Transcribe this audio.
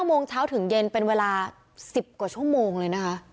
โมงเช้าถึงเย็นเป็นเวลา๑๐กว่าชั่วโมงเลยนะคะ